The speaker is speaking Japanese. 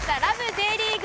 Ｊリーグ』。